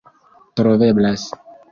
troveblas